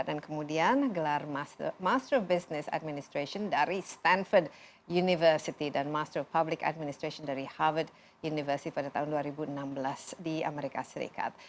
dan kemudian gelar master of business administration dari stanford university dan master of public administration dari harvard university pada tahun dua ribu enam belas di amerika serikat